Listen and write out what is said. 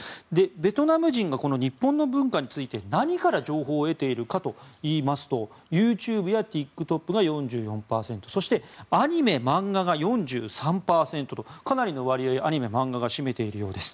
ベトナム人が日本の文化について何から情報を得ているかといいますとＹｏｕＴｕｂｅやＴｉｋＴｏｋが４４％そしてアニメ・漫画が４３％とかなりの割合、アニメ・漫画が占めているようです。